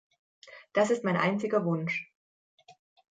Das ist mein einziger Wunsch.